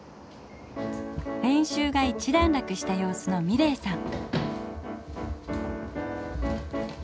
練習が一段落した様子の美礼さん。